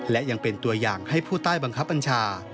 และยังเป็นตัวอย่างให้ผู้ใต้บังคับบัญชา